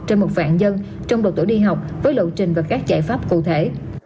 trên một vạn dân trong đội tổ đi học với lộ trình và các giải pháp cụ thể